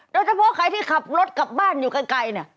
โดยเฉพาะใครที่ขับรถกลับบ้านอยู่ไกลเนี่ย